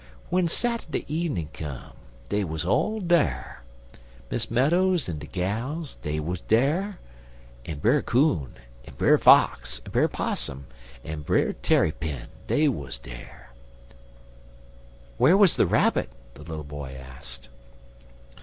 W'en Sat'day evenin' come, dey wuz all dere. Miss Meadows en de gals, dey wuz dere; en Brer Coon, en Brer Fox, en Brer Possum, en Brer Tarrypin, dey wuz dere." "Where was the Rabbit?" the little boy asked.